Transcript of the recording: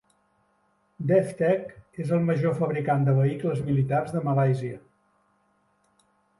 DefTech és el major fabricant de vehicles militars de Malàisia.